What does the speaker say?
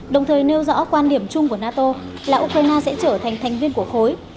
đồng thời nêu rõ quan điểm chung của nato là ukraine sẽ trở thành thành viên của khối